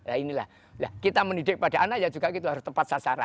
nah inilah kita mendidik pada anak ya juga gitu harus tepat sasaran